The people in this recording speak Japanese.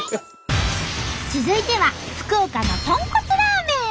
続いては福岡の豚骨ラーメン！